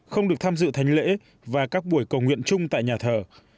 không được tham dự thánh lễ và các buổi cầu nguyện chung tại nhà thờ